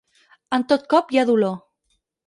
En tot cop hi ha dolor.